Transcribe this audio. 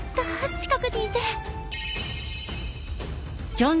近くにいて。